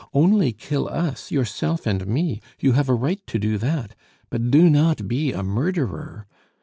Only kill us yourself and me; you have a right to do that, but do not be a murderer!